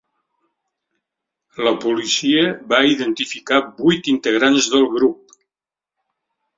La policia va identificar vuit integrants del grup.